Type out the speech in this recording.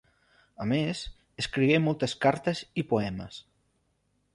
A més, escrigué moltes cartes i poemes.